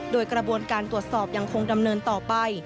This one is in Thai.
โดยกระบวนการตรวจสอบยังคงดำเนินต่อไป